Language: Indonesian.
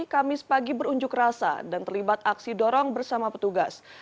kamis pagi berunjuk rasa dan terlibat aksi dorong bersama petugas